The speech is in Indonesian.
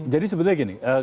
jadi sebetulnya gini